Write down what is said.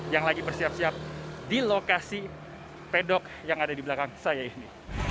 yang lagi bersiap siap di lokasi pedok yang ada di belakang saya ini